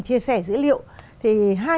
chia sẻ dữ liệu thì hai